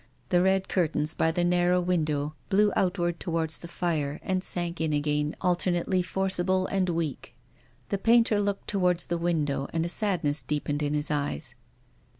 The red curtains by the narrow window blew outward towards the fire, and sank in again, alternately forcible and weak. The painter looked towards the window and a sadness deepened in his eyes.